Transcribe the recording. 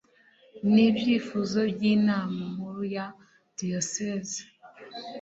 n ibyifuzo by inama nkuru ya Diyoseze